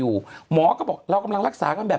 คุณหนุ่มกัญชัยได้เล่าใหญ่ใจความไปสักส่วนใหญ่แล้ว